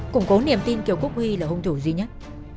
củng cố niềm tin kiều quốc huy là hung thủ duy nhất